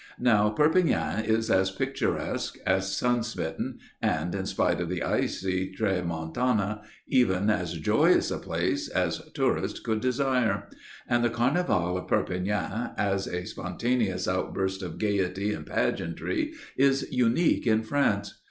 Now Perpignan is as picturesque, as sun smitten and, in spite of the icy tramontana, even as joyous a place as tourist could desire; and the Carnival of Perpignan, as a spontaneous outburst of gaiety and pageantry, is unique in France.